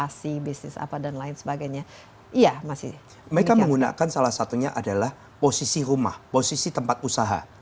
investasi bisnis apa dan lain sebagainya iya masih mereka menggunakan salah satunya adalah posisi rumah posisi tempat usaha